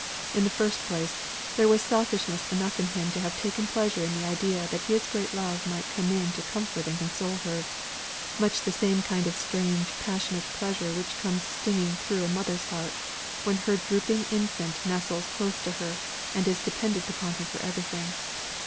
In the first place, there was selfishness enough in him to have taken pleasure in the idea that his great love might come in to comfort and console her; much the same kind of passionate pleasure which comes stinging through a mother's heart, when her drooping infant nestles close to her, and is dependent upon her for everything.